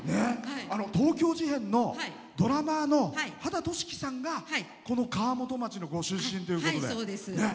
東京事変のドラマーの方がこの川本町のご出身ということで。